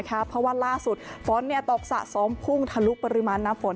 เพราะว่าล่าสุดฝนตกสะสมพุ่งทะลุปริมาณน้ำฝน